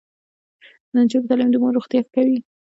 د نجونو تعلیم د مور روغتیا ښه کوي.